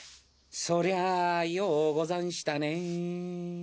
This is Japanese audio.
そりゃよござんしたねぇ。